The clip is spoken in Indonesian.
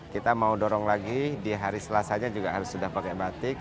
kita mau dorong lagi di hari selasanya juga harus sudah pakai batik